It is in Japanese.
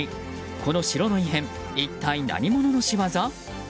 この城の異変、一体何者の仕業？